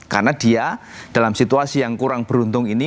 karena dia dalam situasi yang kurang beruntung ini